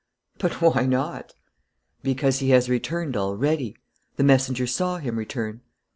"But why not?" "Because he has returned already. The messenger saw him return."